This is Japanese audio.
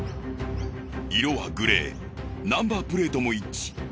色はグレーナンバープレートも一致。